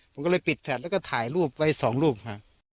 ผมก็เลยปิดแชทแล้วก็ถ่ายรูปไว้สองรูปค่ะ